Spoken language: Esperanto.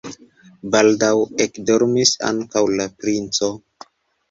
Baldaŭ ekdormis ankaŭ la princo.